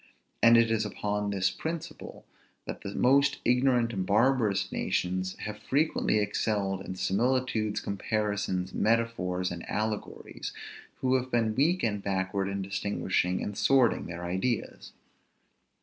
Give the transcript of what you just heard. And it is upon this principle, that the most ignorant and barbarous nations have frequently excelled in similitudes, comparisons, metaphors, and allegories, who have been weak and backward in distinguishing and sorting their ideas.